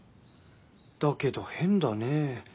だけど変だねえ。